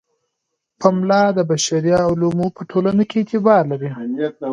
پملا د بشري علومو په ټولنو کې اعتبار لري.